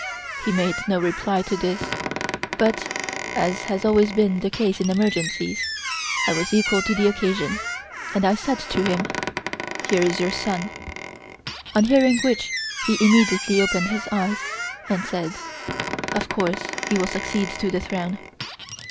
He made no reply to this, but, as has always been the case in emergencies, I was equal to the occasion, and I said to him: 'Here is your son,' on hearing which he immediately opened his eyes and said: 'Of course he will succeed to the throne.'